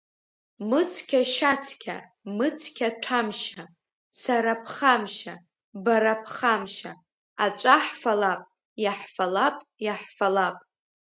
Мыцқьа-шьацқьа, мыцқьа-ҭәамшьа, сара ԥхамшьа, бара ԥхамшьа, аҵәа ҳфалап, иаҳфалап, иаҳфалап.